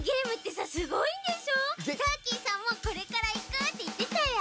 ターキーさんも「これからいく」っていってたよ。